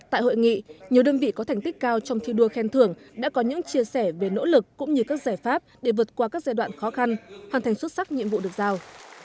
tại hội nghị nhiều đơn vị có thành tích cao trong thi đua khen thưởng đã có những chia sẻ về nỗ lực cũng như các giải pháp để vượt qua các giai đoạn khó khăn hoàn thành xuất sắc nhiệm vụ được giao